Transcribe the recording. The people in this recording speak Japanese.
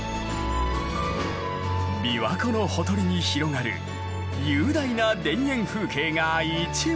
琵琶湖のほとりに広がる雄大な田園風景が一望だ。